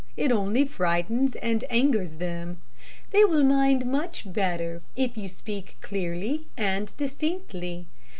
It only frightens and angers them. They will mind much better if you speak clearly and distinctly.